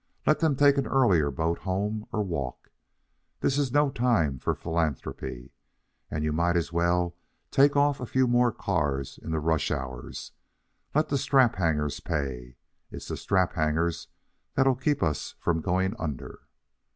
Let them take an earlier boat home or walk. This is no time for philanthropy. And you might as well take off a few more cars in the rush hours. Let the strap hangers pay. It's the strap hangers that'll keep us from going under."